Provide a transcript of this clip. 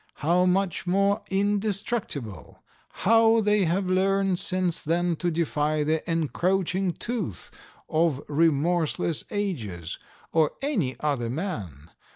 How much more indestructible! How they have learned since then to defy the encroaching tooth of remorseless ages, or any other man!